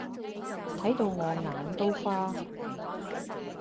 睇到我眼都花